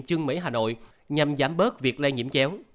trưng mỹ hà nội nhằm giảm bớt việc lây nhiễm chéo